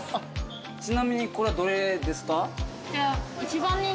ちなみにこれはどれですか？